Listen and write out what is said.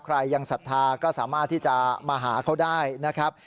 ใครยังศรัทธาก็สามารถที่จะมาหาเขาได้นะครับ